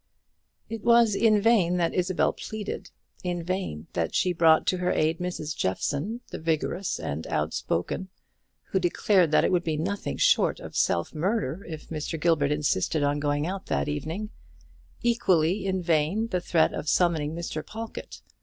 It was in vain that Isabel pleaded; in vain that she brought to her aid Mrs. Jeffson, the vigorous and outspoken, who declared that it would be nothing short of self murder if Mr. Gilbert insisted on going out that evening; equally in vain the threat of summoning Mr. Pawlkatt.